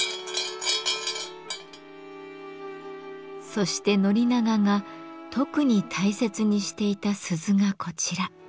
そして宣長が特に大切にしていた鈴がこちら。